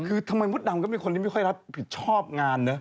คือทำไมมดดำก็เป็นคนที่ไม่ค่อยรับผิดชอบงานเนอะ